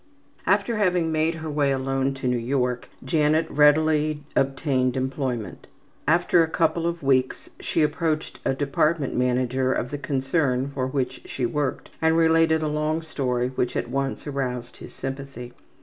After having made her way alone to New York, Janet readily obtained employment. After a couple of weeks she approached a department manager of the concern for which she worked and related a long story, which at once aroused his sympathy.